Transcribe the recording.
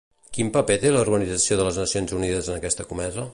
Quin paper té l'Organització de les Nacions unides en aquesta comesa?